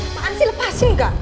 apaan sih lepasin gak